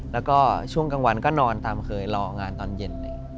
แล้วก็ช่วงกลางวันก็นอนตามเคยรองานตอนเย็น